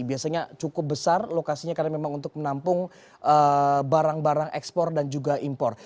biasanya cukup besar lokasinya karena memang untuk menampung barang barang ekspor dan juga impor